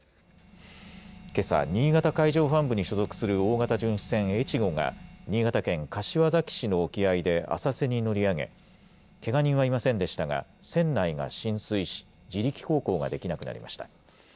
けさ、新潟海上保安部に所属する大型巡視船えちごが、新潟県柏崎市の沖合で浅瀬に乗り上げ、けが人はいませんでしたが、船内が浸水し、自力航行ができなくなりました。